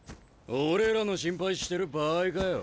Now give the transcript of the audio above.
俺らの心配してる場合かよ。